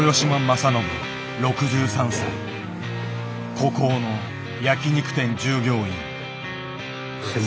孤高の焼き肉店従業員。